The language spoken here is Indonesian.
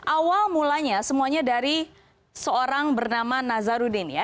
awal mulanya semuanya dari seorang bernama nazarudin ya